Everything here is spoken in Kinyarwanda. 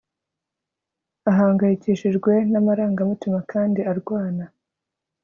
Ahangayikishijwe namarangamutima kandi arwana